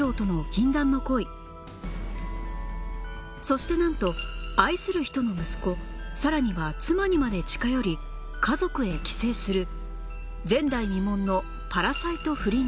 そしてなんと愛する人の息子さらには妻にまで近寄り家族へ寄生する前代未聞の